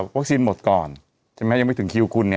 วักซีนหมดก่อนยังไม่ถึงคิวคุณนี่